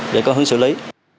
để có hướng xử lý